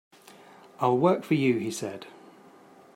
"I'll work for you," he said.